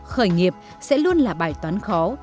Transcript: khởi nghiệp sẽ luôn là bài toán khó